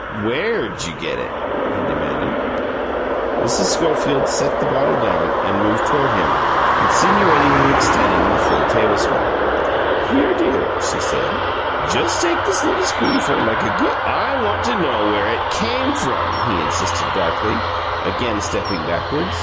"WHERE'D you get it?" he demanded. Mrs. Schofield set the bottle down and moved toward him, insinuatingly extending the full tablespoon. "Here, dear," she said; "just take this little spoonful, like a goo " "I want to know where it came from," he insisted darkly, again stepping backward.